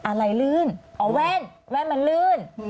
อะไรลื่นอ๋อแว่นแว่นมันลื่น